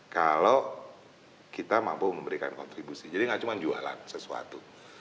kalau kita mampu memberikan kontribusi jadi gak cuma jualan sesuatu